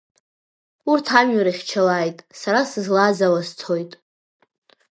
Урҭ амҩа рыхьчалааит, сара сызлааз ала сцоит…